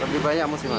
lebih banyak musiman